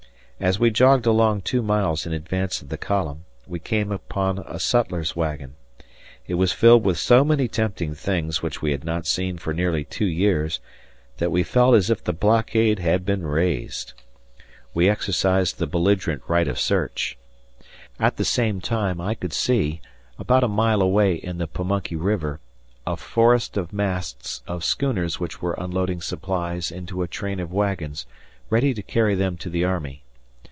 As we jogged along two miles in advance of the column, we came upon a cutler's wagon. It was filled with so many tempting things which we had not seen for nearly two years that we felt as if the blockade had been raised. We exercised the belligerent right of search. At the same time I could see, about a mile away in the Pamunkey River, a forest of masts of schooners which were unloading supplies into a train of wagons ready to carry them to the army.